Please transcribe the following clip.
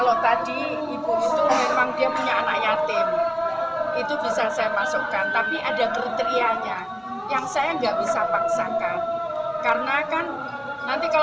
kalau tadi ibu itu memang dia punya anak yatim itu bisa saya masukkan